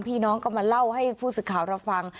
พี่น้องก็มาเล่าให้ผู้สื่อข่าวเราฟัง